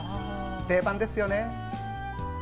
定番ですよね。